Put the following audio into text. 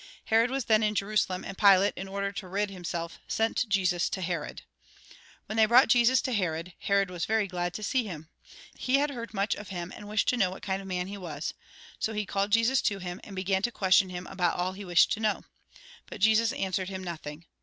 Herod was then in Jerusalem, and Pilate, in order to rid himself, sent Jesus to Herod. When they brought Jesus to Herod, Herod was very glad to see him. He had heard much of him, and wished to know what kind of man he was. So he called Jesus to him, and began to question him about all he wished to know. But Jesus answered him nothing.